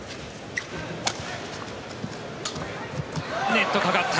ネット、かかった。